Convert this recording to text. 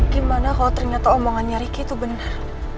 gimana kalo ternyata omongannya ricky itu bener